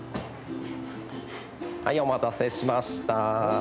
はい、お待たせしました。